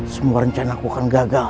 semua rencana aku akan gagal